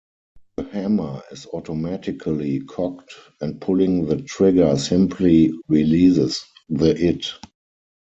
The hammer is automatically cocked, and pulling the trigger simply releases the it.